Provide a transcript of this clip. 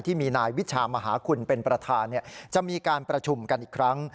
ที่มีนายวิชามหาคุณเป็นประธานจะมีการประชุมกันอีกครั้ง